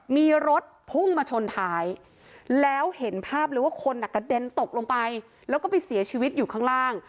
มีรถพุ่งมาชนท้ายแล้วเห็นภาพเลยว่าคนกระเด็นตกลงไปแล้วก็ไปเสียชีวิตอยู่ข้างล่าง